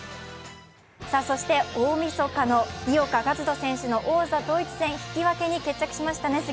そして大みそかの井岡一翔選手の王座統一戦は引き分けに決着しましたね。